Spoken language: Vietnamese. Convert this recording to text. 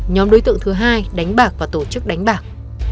nhóm đối tượng thứ hai đánh bạc và tổ chức đánh bạc